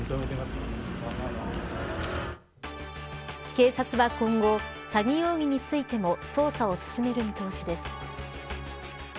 警察は、今後詐欺容疑についても捜査を進める見通しです。